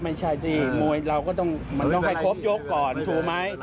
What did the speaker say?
ไม่ใช่สิมวยเราก็ต้องให้ครบโยคก่อนถูกไหม